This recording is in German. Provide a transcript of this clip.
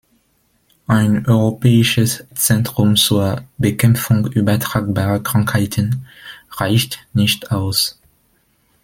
Ein Europäisches Zentrum zur Bekämpfung übertragbarer Krankheiten reicht nicht aus.